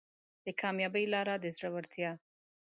د کامیابۍ لاره د زړورتیا